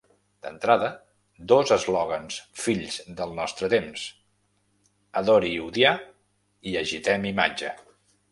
D'entrada, dos eslògans fills del nostre temps: adori odiar i agitem imatge.